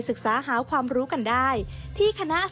ศึกษาหาความรู้กันได้